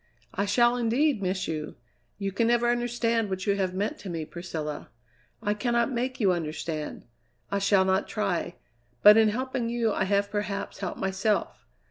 "I shall, indeed, miss you! You can never understand what you have meant to me, Priscilla. I cannot make you understand; I shall not try; but in helping you I have perhaps helped myself.